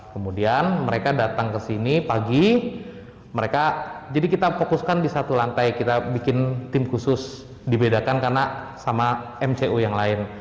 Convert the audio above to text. kemudian mereka datang ke sini pagi mereka jadi kita fokuskan di satu lantai kita bikin tim khusus dibedakan karena sama mcu yang lain